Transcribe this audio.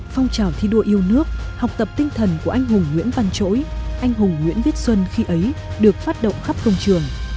phong trào thi đua yêu nước học tập tinh thần của anh hùng nguyễn văn trỗi anh hùng nguyễn viết xuân khi ấy được phát động khắp công trường